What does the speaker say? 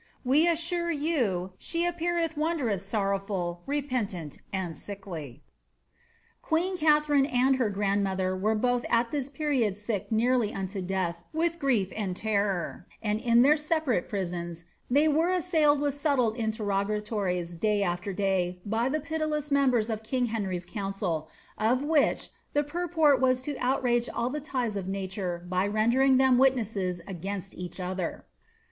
We assure you she appeareth wondroos somnr fnl, repentant, and sickly." ' Queen Katharine and her grandmother were both at this period nek nearly unto death with grief and terror, and in their separate priioM they were assailed with subtle interrogatories day after day by the piti less members of king Henry's council, of which the purport wsf to outrage all the ties of nature by rendering them witnesses against etch other.